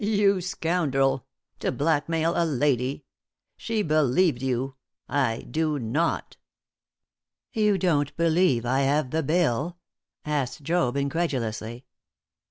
You scoundrel! to blackmail a lady! She believed you I do not. "You don't believe I have the bill?" asked Job, incredulously.